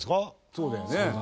そうだよね。